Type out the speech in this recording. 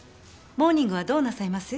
モーニングはどうなさいます？